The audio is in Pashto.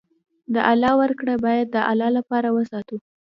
د الله ورکړه باید د الله لپاره وساتو.